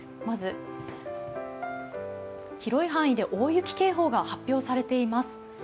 まず広い範囲で大雪警報が発表されています。